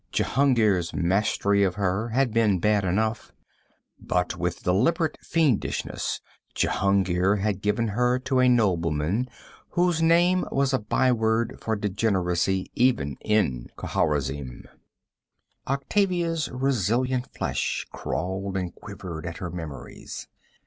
Jehungir's mastery of her had been bad enough; but with deliberate fiendishness Jehungir had given her to a nobleman whose name was a byword for degeneracy even in Khawarizm. Octavia's resilient flesh crawled and quivered at her memories.